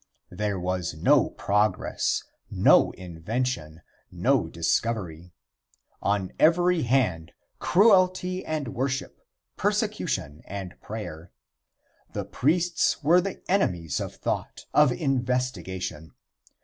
There was no progress, no invention, no discovery. On every hand cruelty and worship, persecution and prayer. The priests were the enemies of thought, of investigation.